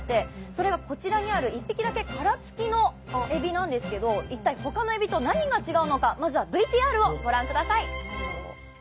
それがこちらにある１匹だけ殻付きのえびなんですけど一体ほかのえびと何が違うのかまずはＶＴＲをご覧ください。